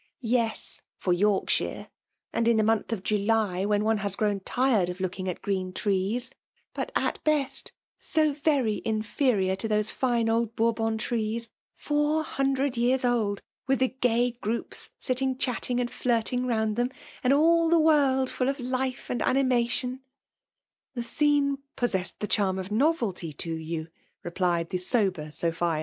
YcB, for Yorkshire, and in the month at Jnly, when one has grown tired of looking atr green trees ; but, at best, so very inferior t0 those fine old Bourbon trees, four hundred years old, with the gay groups sitting chatting and flirting round them, and all the world ftiU of life and animation I" The scene possessed the charm of novelty to you,'* replied the sober Sophia.